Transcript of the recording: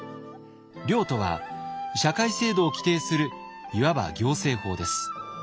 「令」とは社会制度を規定するいわば行政法です。